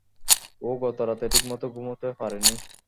ও গত রাতে ঠিকমত ঘুমুতে পারেনি।